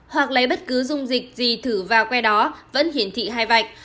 hoặc lấy bất cứ dung dịch gì thử vào que đó vẫn hiển thị hai vạch